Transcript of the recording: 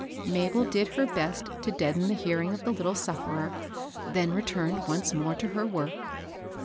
Mabel did her best to deaden the hearing of the 800 liABBL BOSS. little safferer; then returned once more to her work.